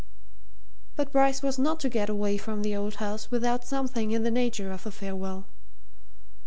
But Bryce was not to get away from the old house without something in the nature of a farewell.